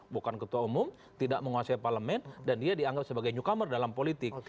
bukan ketua umum tidak menguasai parlemen dan dia dianggap sebagai newcomer dalam politik